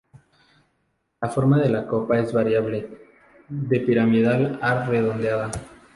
La forma de la copa es variable, de piramidal a redondeada.